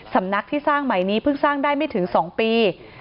สำนักที่สร้างใหม่นี้เพิ่งสร้างได้ไม่ถึง๒ปี